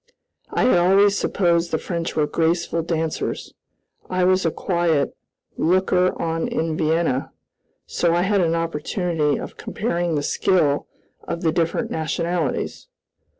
I had always supposed the French were graceful dancers. I was a quiet "looker on in Vienna," so I had an opportunity of comparing the skill of the different nationalities.